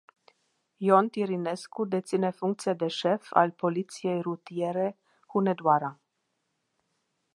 Ion Tirinescu deține funcția de șef al poliției rutiere Hunedoara.